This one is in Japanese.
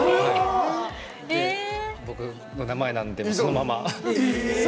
僕の名前なんで、そのまま。